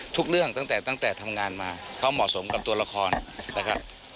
เรื่องตั้งแต่ตั้งแต่ทำงานมาเขาเหมาะสมกับตัวละครนะครับ